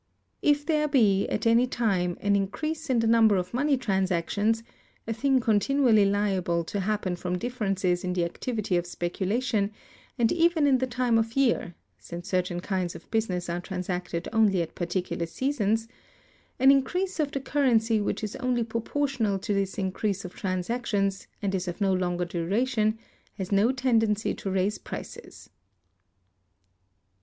If there be, at any time, an increase in the number of money transactions, a thing continually liable to happen from differences in the activity of speculation, and even in the time of year (since certain kinds of business are transacted only at particular seasons), an increase of the currency which is only proportional to this increase of transactions, and is of no longer duration, has no tendency to raise prices.